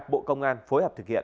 bộ công an phối hợp thực hiện